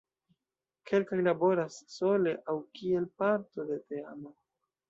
Kelkaj laboras sole aŭ kiel parto de teamo.